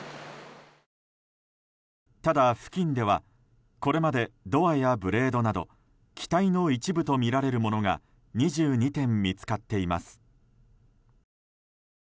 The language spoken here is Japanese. ただ、付近ではこれまでドアやブレードなど機体の一部とみられるものが２２点見つかっています。